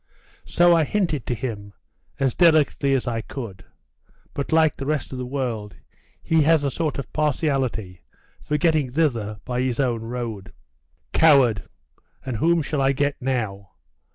'So I hinted to him, as delicately as I could; but, like the rest of the world, he had a sort of partiality for getting thither by his own road.' 'Coward! And whom shall I get now?